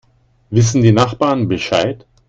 Wissen die Nachbarn Bescheid?